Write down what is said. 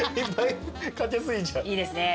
いいですね。